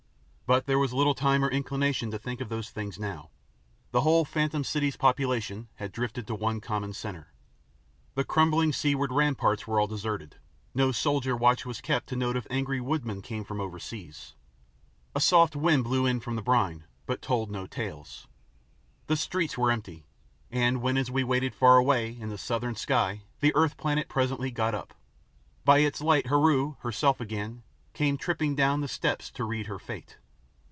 But there was little time or inclination to think of those things now. The whole phantom city's population had drifted to one common centre. The crumbling seaward ramparts were all deserted; no soldier watch was kept to note if angry woodmen came from over seas; a soft wind blew in from off the brine, but told no tales; the streets were empty, and, when as we waited far away in the southern sky the earth planet presently got up, by its light Heru, herself again, came tripping down the steps to read her fate.